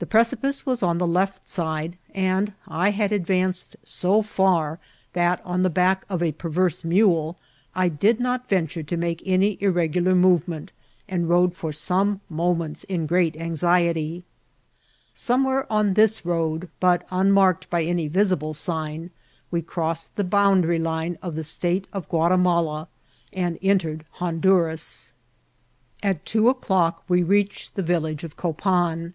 The precipice was on the left side, and I had advanced so far that, on the back of a perverse mule, I did not venture to make any irregular movement, and rode for some mo ments in great anxiety. Somewhere on this road, but unmarked by any visible sign, we crossed the bounda ry line of the state of Guatimala and entered Hon duras. At two o'clock we reached the village of CqpaUi COPAM.